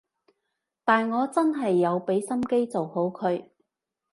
但我真係有畀心機做好佢